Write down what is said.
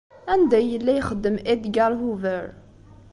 Anda ay yella ixeddem Edgar Hoover?